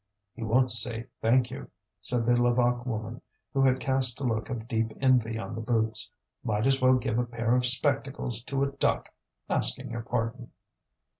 "He won't say thank you," said the Levaque woman, who had cast a look of deep envy on the boots. "Might as well give a pair of spectacles to a duck, asking your pardon."